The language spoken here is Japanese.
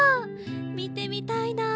みてみたいなあ！